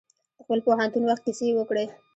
د خپل پوهنتون وخت کیسې یې وکړې.